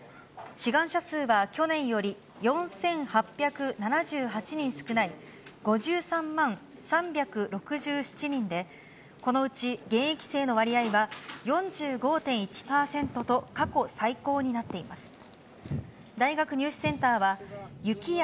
志願者数は去年より４８７８人少ない、５３万３６７人で、このうち現役生の割合は４５．１％と、過去最高になっています。